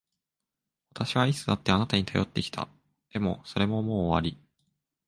私はいつだってあなたに頼ってきた。でも、それももう終わり。